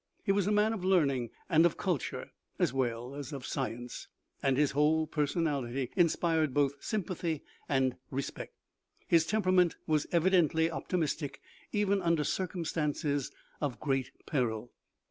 He was a man of learning and of culture, as well as of science, and his whole person ality inspired both sympathy and respect. His tem perament was evidently optimistic, even under circum stances of great peril.